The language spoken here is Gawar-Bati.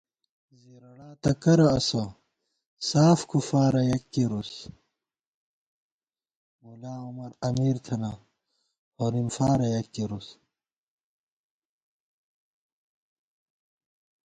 زِیرَڑاتہ کرہ اسہ ساف کُفارہ یَک کېرُس * ملا عمر امیر تھنہ ہورِم فارہ یک کېرُوس